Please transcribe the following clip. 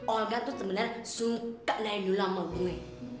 olga tuh sebenarnya suka dari dulu sama gue